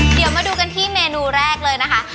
เดี๋ยวมาดูกันที่เมนูแรกเลยนะคะ